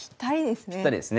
ぴったりですね。